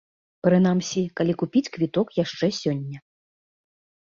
Прынамсі, калі купіць квіток яшчэ сёння.